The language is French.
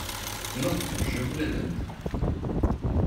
Non, je vous la donne…